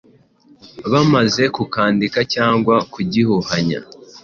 bamaze kukandika cyangwa kugihuhanya